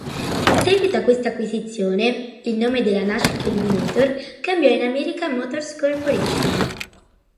In seguito a questa acquisizione, il nome della Nash-Kelvinator cambiò in American Motors Corporation.